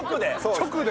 直で。